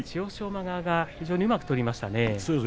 馬側が非常にうまく取りましたね。